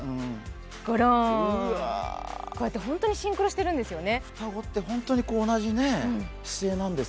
こうやって本当にシンクロしているんですよね。